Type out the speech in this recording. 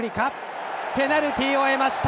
ペナルティーを得ました！